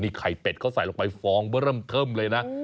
ไข่เป็ดเขาใส่ลงไปฟองเบอร์เริ่มเทิมเลยนะ